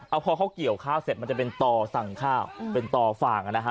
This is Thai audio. เอาพอเขาเกี่ยวข้าวเสร็จมันจะเป็นต่อสั่งข้าวเป็นต่อฟ่างนะฮะ